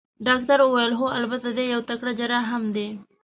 ډاکټر وویل: هو، البته دی یو تکړه جراح هم دی.